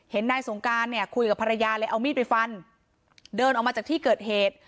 นายสงการเนี่ยคุยกับภรรยาเลยเอามีดไปฟันเดินออกมาจากที่เกิดเหตุ